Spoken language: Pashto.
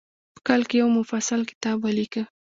په کال کې یو مفصل کتاب ولیکه.